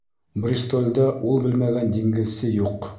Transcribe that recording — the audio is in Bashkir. Бристолдә ул белмәгән диңгеҙсе юҡ.